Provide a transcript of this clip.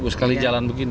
seratus sekali jalan begini